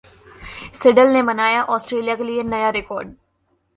Seidel ने बनाया Australia के लिए नया रिकार्ड